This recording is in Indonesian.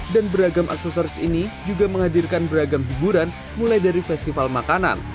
dan beragam aksesoris ini juga menghadirkan beragam hiburan mulai dari festival makanan